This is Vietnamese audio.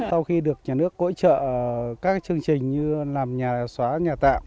sau khi được nhà nước hỗ trợ các chương trình như làm nhà xóa nhà tạm